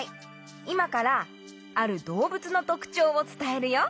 いまからあるどうぶつのとくちょうをつたえるよ。